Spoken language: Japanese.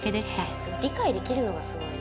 理解できるのがすごい。